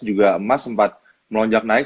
juga emas sempat melonjak naik